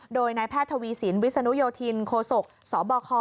โดยนายแพทย์ทวีสินวิศนุโยธินโคศกสบค